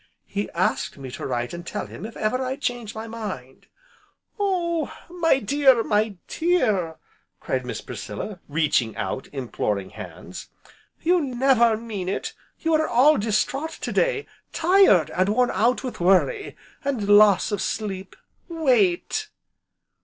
"He asked me to write and tell him if ever I changed my mind " "Oh my dear! my dear!" cried Miss Priscilla reaching out imploring hands, "you never mean it, you are all distraught to day tired, and worn out with worry, and loss of sleep, wait!"